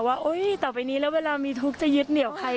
ว่าต่อไปนี้แล้วเวลามีทุกข์จะยึดเหนียวใคร